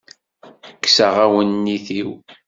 Kkseɣ awennit-iw.